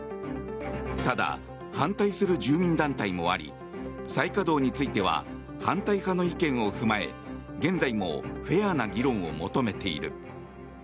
ただ、反対する住民団体もあり再稼働については反対派の意見を踏まえ、現在もフェアな議論を求めている。